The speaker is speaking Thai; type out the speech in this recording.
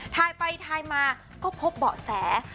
ถ่ายไปทายมาก็พบเบาะแส